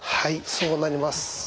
そうなります。